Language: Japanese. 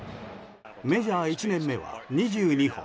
メジャー１年目は２２本。